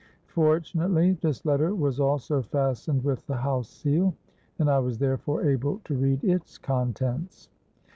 Fortunately this letter was also fastened with the house seal, and I was therefore able to read its contents.